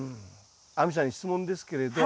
亜美さんに質問ですけれど。